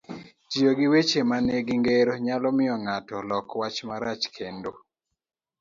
Tiyo gi weche manigi ngero nyalo miyo ng'ato lok wach marach, kendo